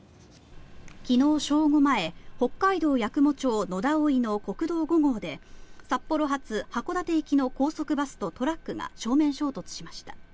昨日正午前北海道八雲町野田生の国道５号で札幌発函館行きの高速バスとトラックが正面衝突しました。